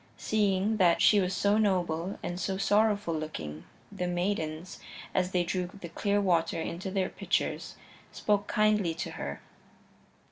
Seeing that she was so noble and so sorrowful looking, the maidens, as they drew the clear water into their pitchers, spoke kindly to her.